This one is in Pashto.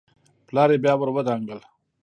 پلار يې بيا ور ودانګل.